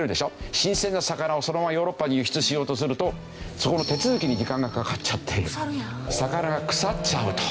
新鮮な魚をそのままヨーロッパに輸出しようとするとそこの手続きに時間がかかっちゃって魚が腐っちゃうと。